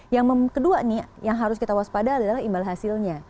yang kedua nih yang harus kita waspada adalah imbal hasilnya